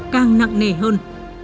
càng nặng nề hơn